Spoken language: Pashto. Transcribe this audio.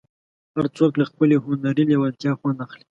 هر څوک له خپلې هنري لېوالتیا خوند اخلي.